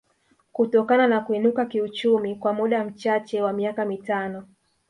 kutokana na kuinuka kiuchumi kwa muda mchache wa miaka mitano